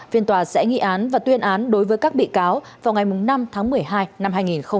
phiên tòa sẽ nghị án và tuyên án đối với các bị cáo vào ngày năm tháng một mươi hai năm hai nghìn hai mươi